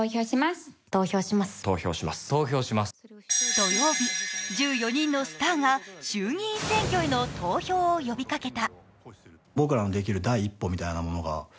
土曜日、１４人のスターが衆議院選挙への投票を呼びかけた。